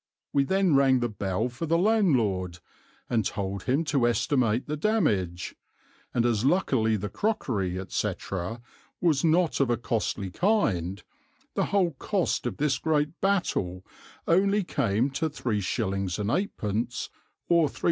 We then rang the bell for the landlord, and told him to estimate the damage, and as luckily the crockery, etc., was not of a costly kind, the whole cost of this great battle only came to 3s. 8d. or 3s.